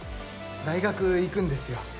大学行くんですよ。